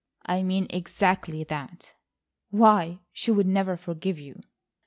"I mean exactly that." "Why, she'd never forgive you."